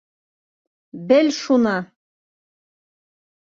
Бел шуны.